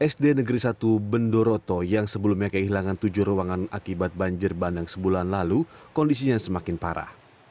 sd negeri satu bendoroto yang sebelumnya kehilangan tujuh ruangan akibat banjir bandang sebulan lalu kondisinya semakin parah